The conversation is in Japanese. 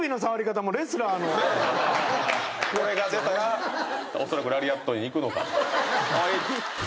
これが出たらおそらくラリアットにいくのかとか。